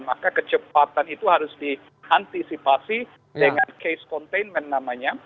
maka kecepatan itu harus diantisipasi dengan case containment namanya